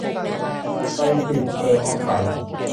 ไลปิดเปอร์อ๊อกไซด์